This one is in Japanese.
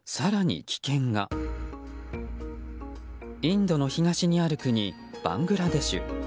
インドの東にある国バングラデシュ。